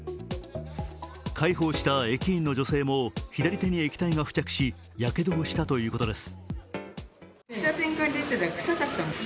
介抱した駅員の女性も左手に液体が付着しやけどをしたということです。